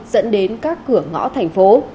và các cửa ngõ thành phố